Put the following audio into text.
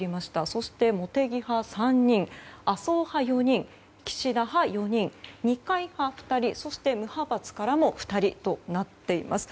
そして茂木派が３人麻生派が４人岸田派、４人二階派、２人そして無派閥からも２人となっています。